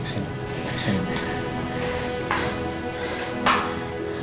kita sudah berdoa sama allah